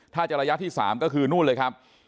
ถ้าจะระยะที่๓ก็คือนู่นเลยครับ